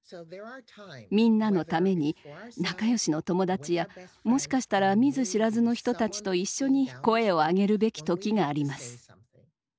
みんなのために仲よしの友だちやもしかしたら見ず知らずの人たちと一緒に声を上げるべき時があります。